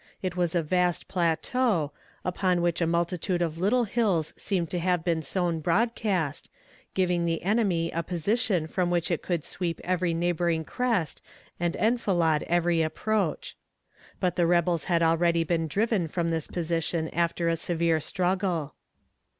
It was a vast plateau, upon which a multitude of little hills seemed to have been sown broadcast, giving the enemy a position from which it could sweep every neighboring crest and enfilade every approach. But the rebels had already been driven from this position after a severe struggle.